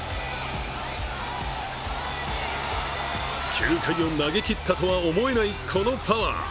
９回を投げきったとは思えないこのパワー。